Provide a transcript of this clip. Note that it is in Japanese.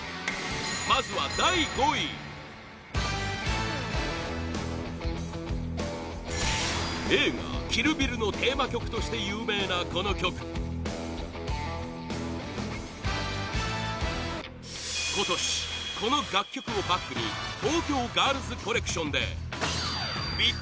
まずは第５位映画「キル・ビル」のテーマ曲として有名なこの曲今年、この楽曲をバックに東京ガールズコレクションでＢＩＧＢＯＳＳこと